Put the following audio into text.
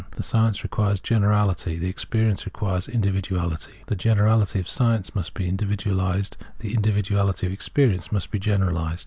The science requires generality, the experi ence requires individuality ; the generahty of science must be individuahsed, the individuahty of experience must be generalised.